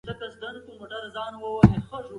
جمعه بيا بله اونۍ راروانه ده.